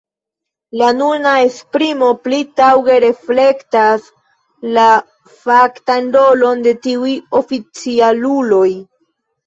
La nuna esprimo pli taŭge reflektas la faktan rolon de tiuj oficialuloj.